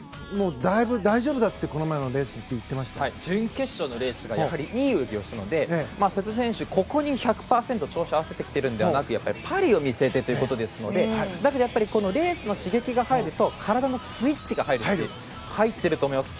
大丈夫だとこの前のレースは準決勝のレースがやはりいい泳ぎをしたので瀬戸選手、ここに１００％調子を合わせてきているのではなくてパリを見据えてということなのでレースの刺激が入ると体のスイッチが入っていると思います。